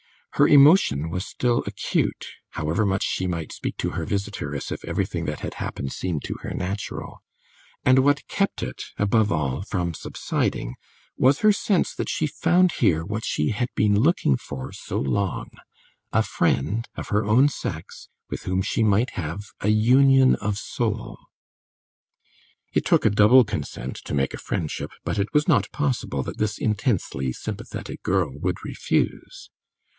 Her emotion was still acute, however much she might speak to her visitor as if everything that had happened seemed to her natural; and what kept it, above all, from subsiding was her sense that she found here what she had been looking for so long a friend of her own sex with whom she might have a union of soul. It took a double consent to make a friendship, but it was not possible that this intensely sympathetic girl would refuse.